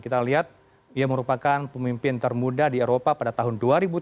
kita lihat ia merupakan pemimpin termuda di eropa pada tahun dua ribu tiga belas